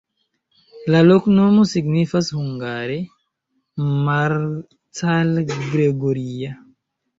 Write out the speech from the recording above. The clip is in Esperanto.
La loknomo signifas hungare: Marcal-Gregoria.